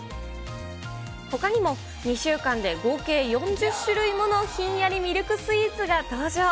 ほかにも、２週間で合計４０種類ものひんやりミルクスイーツが登場。